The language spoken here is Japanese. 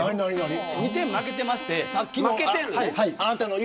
２点負けていました。